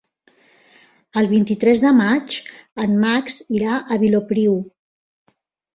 El vint-i-tres de maig en Max irà a Vilopriu.